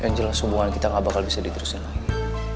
yang jelas hubungan kita gak bakal bisa diterusin lagi